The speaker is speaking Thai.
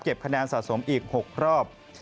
คะแนนสะสมอีก๖รอบ